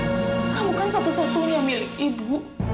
kamu kan satu satunya milik ibu